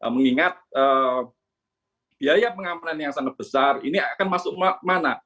mengingat biaya pengamanan yang sangat besar ini akan masuk kemana